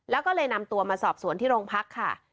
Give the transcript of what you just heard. แล้วก็เลยนำตัวมาสอบสวนที่โรงพักค่ะ